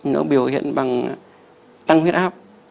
nó biểu hiện bằng tăng huyết áp